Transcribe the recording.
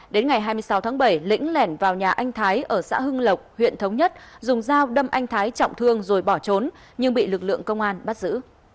đến ngày hai mươi sáu tháng bảy lĩnh lẻn vào nhà anh thái ở xã hưng lộc huyện thống nhất dùng dao đâm anh thái trọng thương rồi bỏ trốn nhưng bị lực lượng công an bắt giữ